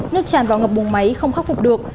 nước tràn vào ngập bùng máy không khắc phục được